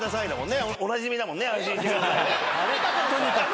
とにかく？